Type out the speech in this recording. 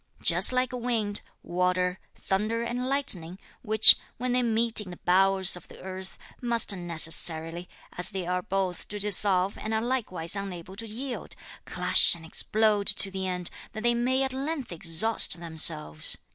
Just like wind, water, thunder and lightning, which, when they meet in the bowels of the earth, must necessarily, as they are both to dissolve and are likewise unable to yield, clash and explode to the end that they may at length exhaust themselves.